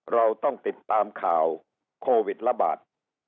เราต้องติดตามข่าวโควิดระบาด